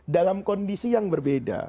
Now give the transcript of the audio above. dalam kondisi yang berbeda